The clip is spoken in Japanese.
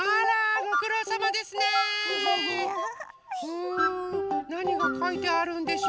うんなにがかいてあるんでしょ？